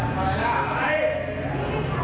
สาวพ่อ